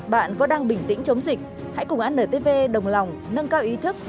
bạn có đang bình tĩnh chống dịch hãy cùng antv đồng lòng nâng cao ý thức